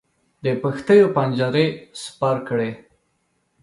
د پښتیو پنجرې سپر کړې.